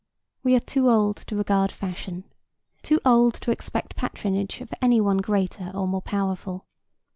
We are too old to regard fashion, too old to expect patronage of any greater or more powerful.